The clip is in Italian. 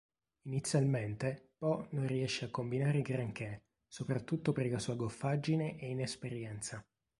Inizialmente Po non riesce a combinare granché, soprattutto per la sua goffaggine e inesperienza.